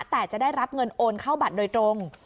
แต่จะได้รับเงินโอนเข้าบัตรโดยตรง